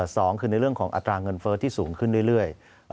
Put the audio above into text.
สองคือในเรื่องของอัตราเงินเฟิร์สที่สูงขึ้นเรื่อย